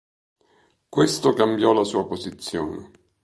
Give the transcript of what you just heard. Questo cambiò la sua posizione.